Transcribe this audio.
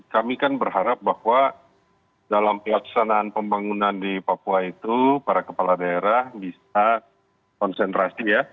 kami kan berharap bahwa dalam pelaksanaan pembangunan di papua itu para kepala daerah bisa konsentrasi ya